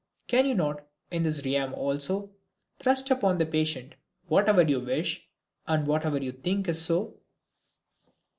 Can you not, in this realm also, thrust upon the patient whatever you wish and whatever you think is so?"